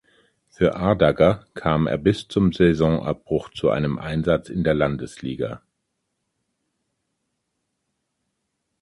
Für Ardagger kam er bis zum Saisonabbruch zu einem Einsatz in der Landesliga.